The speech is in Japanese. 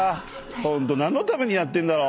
ホント何のためにやってんだろ？